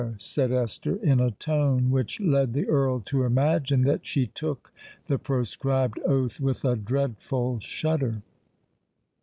said Esther, in a tone which led the Earl to imagine that she took the proscribed oath with a dreadful shudder.